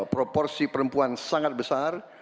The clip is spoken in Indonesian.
proporsi perempuan sangat besar